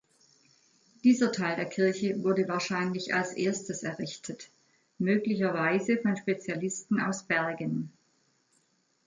Dieser Teil der Kirche wurde wahrscheinlich als erstes errichtet, möglicherweise von Spezialisten aus Bergen.